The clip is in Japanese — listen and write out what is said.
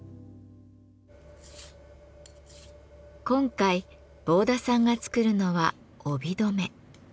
今回坊田さんが作るのは帯留め。